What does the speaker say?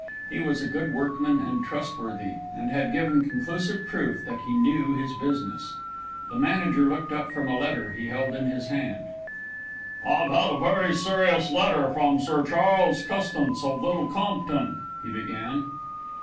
He was a good workman and trustworthy, and had given conclusive proof that he knew his business. The manager looked up from a letter he held in his hand. "I've had a very serious letter from Sir Charles Custance of Little Compton," he began.